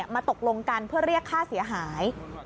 ตกลงกันเพื่อเรียกค่าเสียหาย